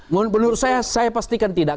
menurut saya saya pastikan tidak